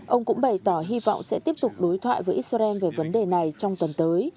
ông cũng bày tỏ hy vọng sẽ tiếp tục đối thoại với israel về vấn đề này trong tuần tới